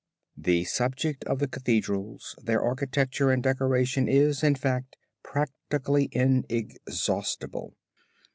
] "The subject of the cathedrals, their architecture and decoration is, in fact, practicably inexhaustible.